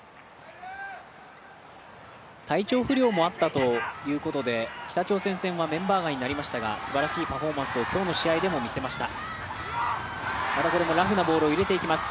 体調不良もあったということで北朝鮮戦はメンバー外になりましたがすばらしいパフォーマンスを今日の試合でも見せました。